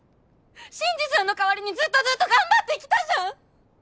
新次さんの代わりにずっとずっと頑張ってきたじゃん！